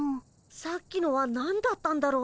さっきのは何だったんだろうね。